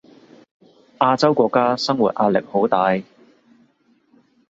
亞洲國家生活壓力好大